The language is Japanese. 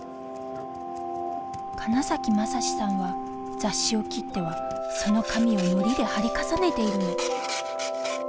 金崎将司さんは雑誌を切ってはその紙をノリで貼り重ねているの。